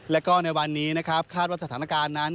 และในวันนี้คาดว่าสถานการณ์นั้น